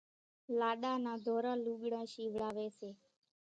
لاڏا نان ڌوران لوُڳڙان شيوڙاويَ سي۔